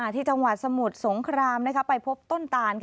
ที่จังหวัดสมุทรสงครามไปพบต้นตาน